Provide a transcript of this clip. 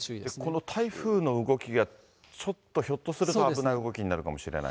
この台風の動きが、ちょっと、ひょっとすると危ない動きになるかもしれない。